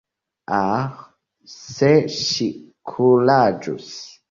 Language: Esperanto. Aĥ, se ŝi kuraĝus!